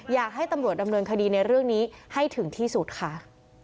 อยากให้ตำรวจดำเนินคดีในเรื่องนี้ให้ถึงที่สุดค่ะ